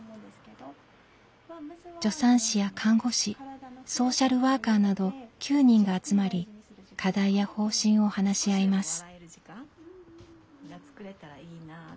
助産師や看護師ソーシャルワーカーなど９人が集まり課題や方針を話し合います。